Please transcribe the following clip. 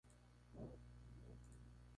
Finalmente fue liberado sin cargos.